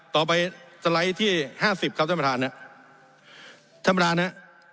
ต่อไปสไลด์ที่ห้าสิบครับท่านประธานฮะท่านประธานฮะ